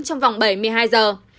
trong vòng bảy mươi hai giờ